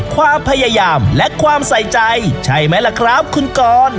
ความพยายามและความใส่ใจใช่ไหมล่ะครับคุณกร